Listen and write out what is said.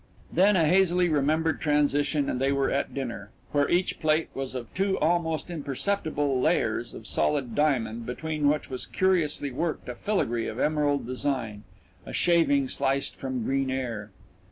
Then a hazily remembered transition, and they were at dinner where each plate was of two almost imperceptible layers of solid diamond between which was curiously worked a filigree of emerald design, a shaving sliced from green air.